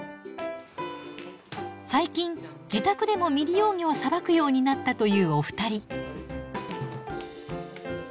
最近自宅でも未利用魚をさばくようになったというお二人。